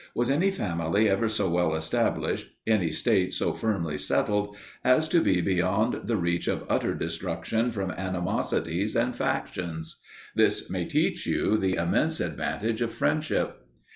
Was any family ever so well established, any State so firmly settled, as to be beyond the reach of utter destruction from animosities and factions? This may teach you the immense advantage of friendship.